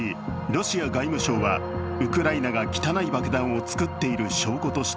ロシア外務省はウクライナが汚い爆弾を作っている証拠とし